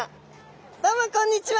どうもこんにちは。